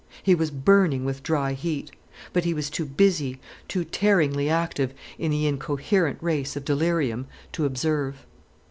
He was burning with dry heat. But he was too busy, too tearingly active in the incoherent race of delirium to observe.